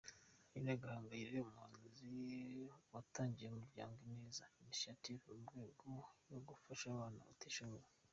Aline Gahongayire: Umuhanzi watangije umuryango ‘Ineza Initiative’ mu ntego yo gufasha abana batishoboye.